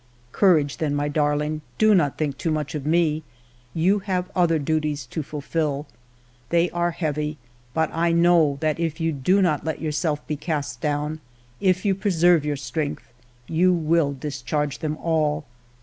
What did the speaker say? " Courage, then, my darling. Do not think too much of me ; you have other duties to fulfil. They are heavy, but I know that if you do not let yourself be cast down, if you preserve your strength, you will discharge them all.